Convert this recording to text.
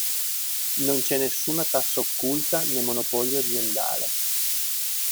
Non c’è nessuna tassa occulta né monopolio aziendale”.